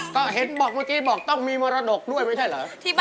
ก็เห็นบอกเมื่อกี้บอกต้องมีมรดกด้วยไม่ใช่เหรอ